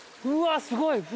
うわっすごい！